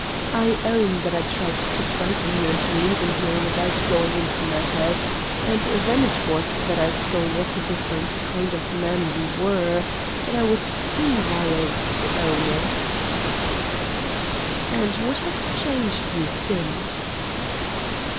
I own that I tried to frighten you into leaving here without going into matters; and then it was I saw what a different kind of man you were. But I was too wild to own it." "And what has changed you since?"